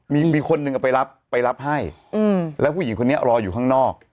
มีคนนึงไปรับให้แล้วผู้หญิงคนนี้รออยู่ข้างนอก